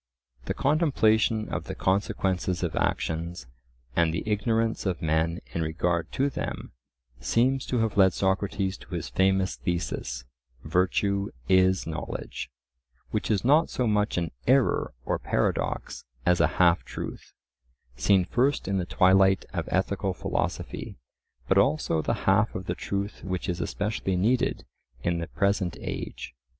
The contemplation of the consequences of actions, and the ignorance of men in regard to them, seems to have led Socrates to his famous thesis:—"Virtue is knowledge;" which is not so much an error or paradox as a half truth, seen first in the twilight of ethical philosophy, but also the half of the truth which is especially needed in the present age.